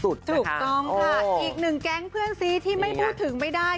ถูกต้องค่ะอีกหนึ่งแก๊งเพื่อนซีที่ไม่พูดถึงไม่ได้